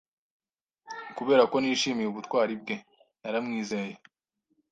Kubera ko nishimiye ubutwari bwe, naramwizeye.